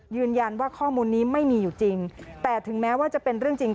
ยืนยันว่าข้อมูลนี้ไม่มีอยู่จริงแต่ถึงแม้ว่าจะเป็นเรื่องจริง